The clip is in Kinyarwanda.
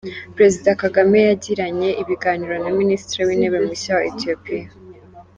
Perezida Kagame yagiranye ibiganiro na Minisitiri w’Intebe mushya wa Etiyopiya